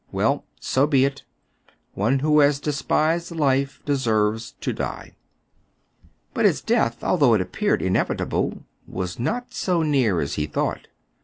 "Well, so be it! One who has despised life deserves to die." But his death, although it appeared inevitable, was not so near as he thought.